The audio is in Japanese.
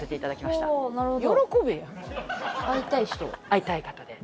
「会いたい方で」